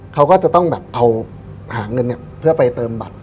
เขาก็จะต้องเอาเงินเพื่อจะไปเติมบัตร